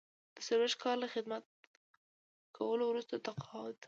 د څلویښت کاله خدمت کولو وروسته تقاعد.